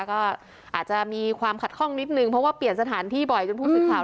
ก็อาจจะมีความขัดข้องนิดนึงเพราะว่าเปลี่ยนสถานที่บ่อยจนผู้สื่อข่าว